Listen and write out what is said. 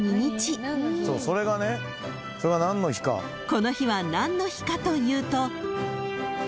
［この日は何の日かというと］